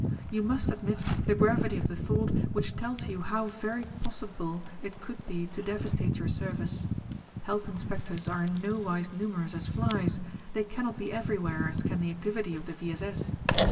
You must admit the gravity of the thought which tells you how very possible it could be to devastate your service. Health inspectors are in nowise numerous as flies ; they can not be ever3^where as can the activity of the V. S. S.